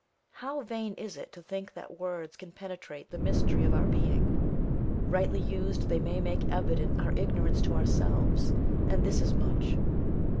How vain is it to think that words can penetrate the mystery of our being! Rightly used they may make evident our ignorance to ourselves, and this is much.